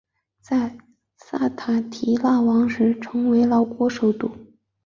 在塞塔提腊王时成为老挝首都。